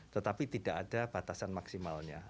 tetapi tidak ada batasan maksimalnya